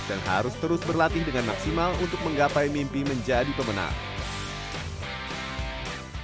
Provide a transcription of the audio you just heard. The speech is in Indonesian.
dan harus terus berlatih dengan maksimal untuk menggapai mimpi menjadi pemenang